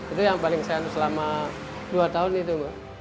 itu yang paling saya selama dua tahun itu